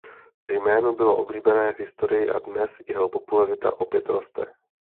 Jméno bylo oblíbené v historii a dnes jeho popularita opět roste.